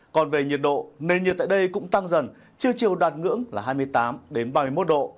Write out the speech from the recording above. còn về nhiệt độ nền nhiệt tại đây cũng tăng dần trưa chiều đạt ngưỡng là hai mươi tám ba mươi một độ